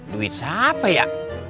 duit siapa ya